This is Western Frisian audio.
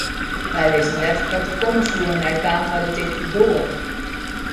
Wy wisten net dat er komme soe en hy kaam foar de tichte doar.